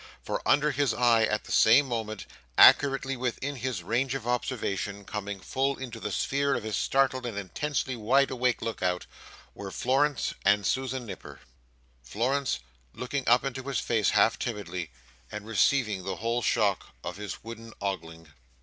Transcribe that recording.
For, under his eye at the same moment, accurately within his range of observation, coming full into the sphere of his startled and intensely wide awake look out, were Florence and Susan Nipper: Florence looking up into his face half timidly, and receiving the whole shock of his wooden ogling!